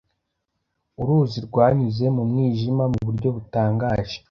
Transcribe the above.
Uruzi rwanyuze mu mwijima mu buryo butangaje